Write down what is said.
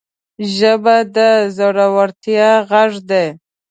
ژبه د زړورتیا غږ ده